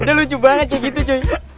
udah lucu banget kayak gitu joy